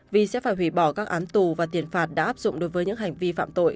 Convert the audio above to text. vì sẽ phải hủy bỏ các án tù và tiền phạt đã áp dụng đối với những hành vi phạm tội